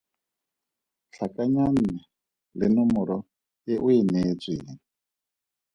Tlhakanya nne le nomore e o e neetsweng.